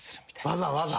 わざわざ？